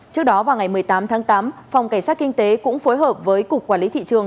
trước đó vào ngày một mươi tám tháng tám phòng cảnh sát kinh tế cũng phối hợp với cục quản lý thị trường